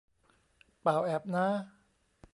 ป่าวแอบน้า